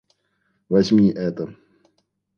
Возьми это